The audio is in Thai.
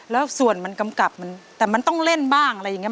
แล้วส่วนมันกำกับมันแต่มันต้องเล่นบ้างอะไรอย่างนี้